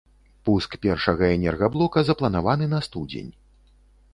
Пуск першага энергаблока запланаваны на студзень.